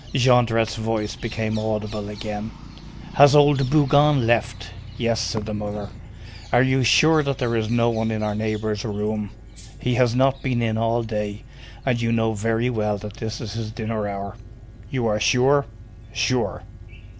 Jondrette's voice became audible again:— "Has old Bougon left?" "Yes," said the mother. "Are you sure that there is no one in our neighbor's room?" "He has not been in all day, and you know very well that this is his dinner hour." "You are sure?" "Sure."